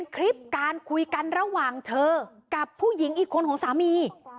คลิปการคุยกันระหว่างเธอกับผู้หญิงอีกคนของสามี